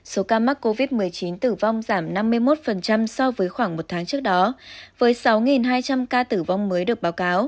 số ca mắc covid một mươi chín tử vong giảm năm mươi một so với khoảng một tháng trước đó với sáu hai trăm linh ca tử vong mới được báo cáo